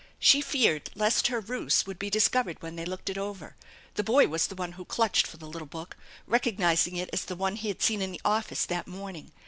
She feared lest her ruse would be discovered when they looked it over. The boy was the one who clutched for the little book, recognizing it as the one he had seen in the office that morning.